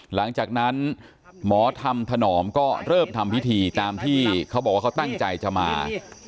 หลังจากนั้นหมอธรรมถนอมก็เริ่มทำพิธีตามที่เขาบอกว่าเขาตั้งใจจะมา